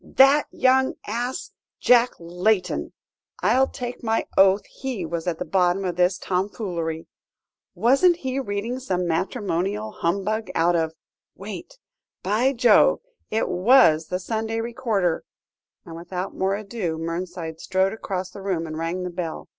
"That young ass, Jack Layton! I'll take my oath he was at the bottom of this tomfoolery. Wasn't he reading some matrimonial humbug out of wait! by Jove! it was the Sunday Recorder," and without more ado, Mernside strode across the room and rang the bell.